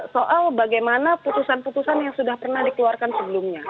soal bagaimana putusan putusan yang sudah pernah dikeluarkan sebelumnya